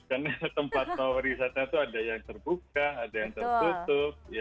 karena tempat wisata itu ada yang terbuka ada yang tertutup